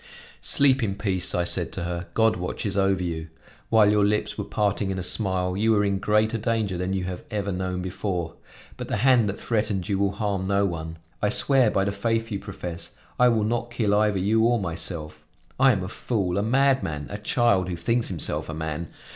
"Sleep in peace," I said to her, "God watches over you! While your lips were parting in a smile, you were in greater danger than you have ever known before. But the hand that threatened you will harm no one; I swear by the faith you profess, I will not kill either you or myself! I am a fool, a madman, a child who thinks himself a man.